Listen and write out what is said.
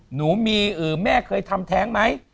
หนูมีแม่เคยทำแท้งไหม